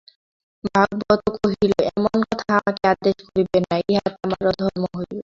ভাগবত কহিল, এমন কথা আমাকে আদেশ করিবেন না, ইহাতে আমার অধর্ম হইবে।